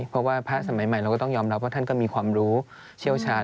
เพราะว่าพระสมัยใหม่เราก็ต้องยอมรับว่าท่านก็มีความรู้เชี่ยวชาญ